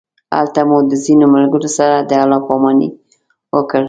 هلته مو د ځینو ملګرو سره د الله پامانۍ وکړ.